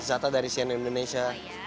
zata dari cnn indonesia